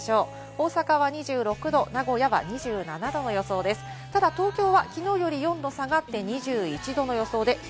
大阪は２６度、名古屋は２７度の予想です。